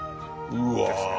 うわ。